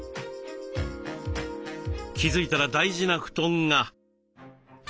気付いたら大事な布団が。